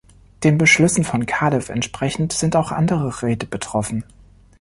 Den Beschlüssen von Cardiff entsprechend sind auch andere Räte betroffen.